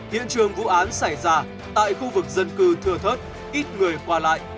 hiện trường vụ án xảy ra tại khu vực dân cư thừa thớt ít người qua lại